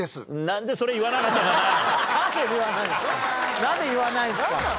なんで言わないんですか？